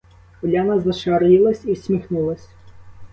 Уляна зашарілась і всміхнулася.